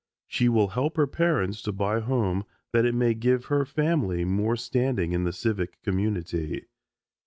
She will help her parents to buy a home that it may give her family more standing in the civic community.